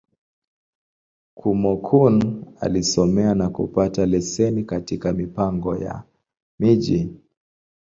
Kúmókụn alisomea, na kupata leseni katika Mipango ya Miji.